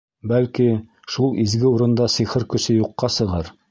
Бәлки, шул изге урында сихыр көсө юҡҡа сығыр.